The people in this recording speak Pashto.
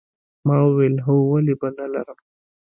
ما وویل هو ولې به نه لرم